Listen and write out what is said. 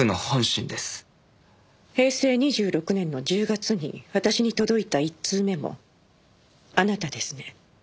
平成２６年の１０月に私に届いた１通目もあなたですね？